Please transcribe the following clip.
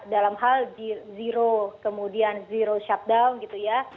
nah dalam hal zero kemudian zero shutdown gitu ya